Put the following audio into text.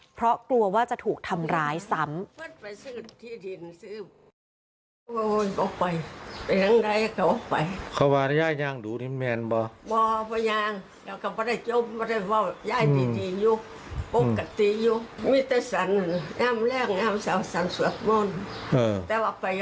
เพราะกลัวว่าจะถูกทำร้ายซ้ำ